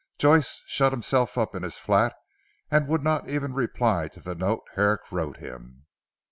Joyce shut himself up in his flat, and would not even reply to the note Herrick wrote him.